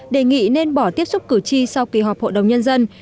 đề nghị nên bỏ tiếp xúc cử tri sau kỳ họp hội đồng nhân dân